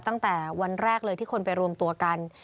ตั้งแต่วันแรกเลยที่คนไปรวมตัวกัน